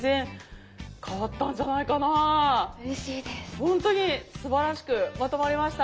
ほんとにすばらしくまとまりました。